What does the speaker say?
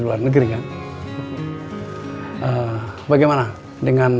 luar negeri kan bagaimana dengan